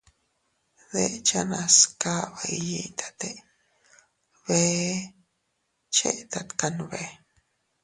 Dechenas kaba iyitate bee chetat kanbe.